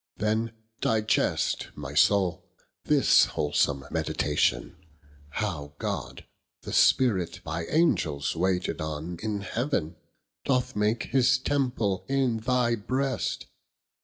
then digest, My Soule, this wholsome meditation, How God the Spirit, by Angels waited on In heaven, doth make his Temple in thy brest.